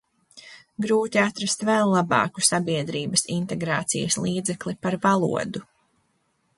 Grūti ir atrast vēl labāku sabiedrības integrācijas līdzekli par valodu.